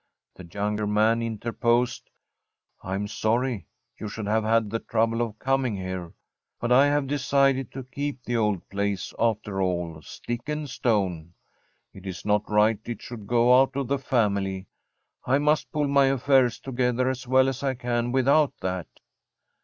The younger man interposed: 'I am sorry you should have had the trouble of coming here, but I have decided to keep the old place after all stick and stone. It is not right it should go out of the family. I must pull my affairs together as well as I can without that.'